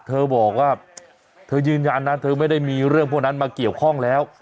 เธอบอกว่าเธอยืนยันนะเธอไม่ได้มีเรื่องพวกนั้นมาเกี่ยวข้องแล้ว